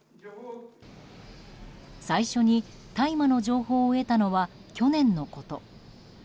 最初に大麻の情報を得たのは去年のこと。